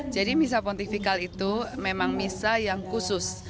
jadi misa pontifikal itu memang misa yang khusus